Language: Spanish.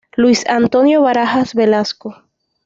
Luis Antonio Barajas Velasco.